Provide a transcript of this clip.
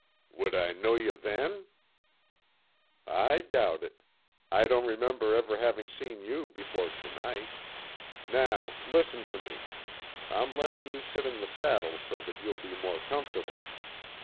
"Would I know yuh then?" "I doubt it I don't remember ever having seen you before tonight. Now listen to me, I'm letting you sit in the saddle so that you'll be more comfortable.